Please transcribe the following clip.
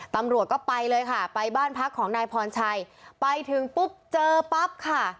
ตำรวจก็ไปเลยค่ะไปบ้านพักของนายพรชัยไปถึงปุ๊บเจอปั๊บค่ะ